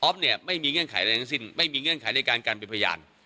อ๊อฟเนี่ยไม่มีเงื่อนไขอะไรในสิ่งไม่มีเงื่อนไขในการการเป็นพยาน